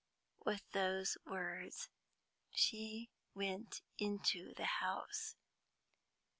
With those words she went into the house.